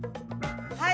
はい。